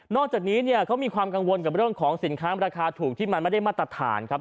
จากนี้เนี่ยเขามีความกังวลกับเรื่องของสินค้าราคาถูกที่มันไม่ได้มาตรฐานครับ